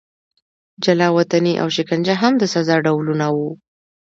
جلا وطني او شکنجه هم د سزا ډولونه وو.